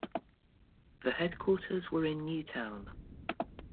The Headquarters were in Newtown.